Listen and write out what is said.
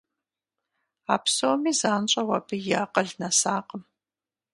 А псоми занщӀэу абы и акъыл нэсакъым.